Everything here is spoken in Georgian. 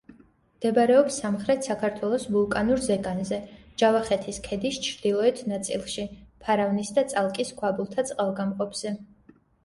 მდებარეობს სამხრეთ საქართველოს ვულკანურ ზეგანზე, ჯავახეთის ქედის ჩრდილოეთ ნაწილში, ფარავნის და წალკის ქვაბულთა წყალგამყოფზე.